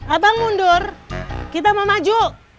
abang mundur kita mau maju